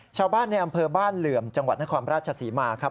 ชาวบ้านในอำเภอบ้านเหลื่อมจังหวัดนครราชศรีมาครับ